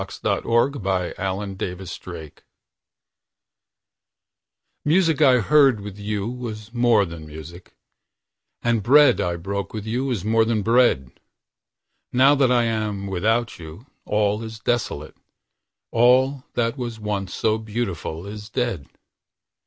Music I Heard By Conrad Aiken MUSIC I heard with you was more than music, And bread I broke with you was more than bread. Now that I am without you, all is desolate, All that was once so beautiful is dead.